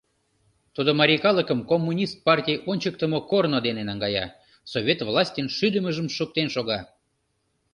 Тудо марий калыкым Коммунист партий ончыктымо корно дене наҥгая, Совет властьын шӱдымыжым шуктен шога.